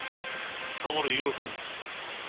・田丸伊予守！